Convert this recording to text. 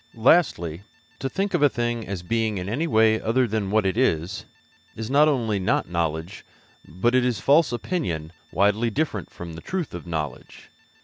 'Lastly, to think of a thing as being in any way other than what it is, is not only not knowledge, but it is false opinion widely different from the truth of knowledge.